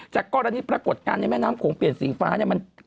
จากก้อนอันนี้ปรากฏการณ์แม่น้ำของเปลี่ยนสีฟ้าเนี่ยมัน